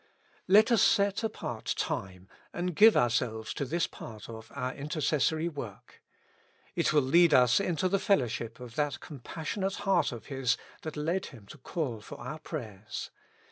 Let us set apart time and give ourselves to this part of our intercessory work. It will lead us into the fellowship of that compassion ate heart of His that led Him to call for our prayers.